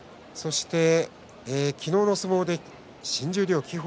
昨日の相撲で新十両輝鵬